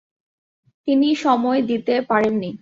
তিনি সময় দিতে পারেননি।